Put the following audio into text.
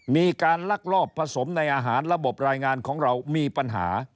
ลักลอบผสมในอาหารระบบรายงานของเรามีปัญหา